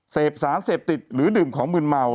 เสพสารเสพติดหรือดื่มของมืนเมา